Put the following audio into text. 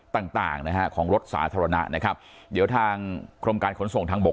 ต่างต่างนะฮะของรถสาธารณะนะครับเดี๋ยวทางกรมการขนส่งทางบก